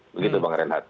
begitu pak renhat